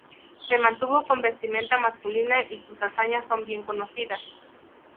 Se mantuvo con vestimenta masculina y sus hazañas son bien conocidas.